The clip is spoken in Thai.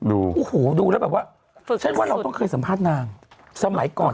ดูแล้วแบบว่าฉันว่าเราต้องเคยสัมภาษณ์นาง